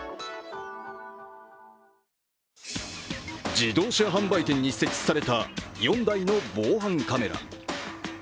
自動車販売店に設置された４台の防犯カメラ。